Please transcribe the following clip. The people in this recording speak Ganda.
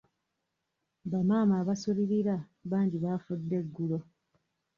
Bamaama abasulirira bangi baafudde eggulo.